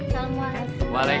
salam warahmatullahi wabarakatuh